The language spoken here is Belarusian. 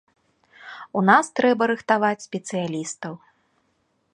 У нас трэба рыхтаваць спецыялістаў.